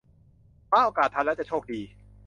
คว้าโอกาสทันแล้วจะโชคดี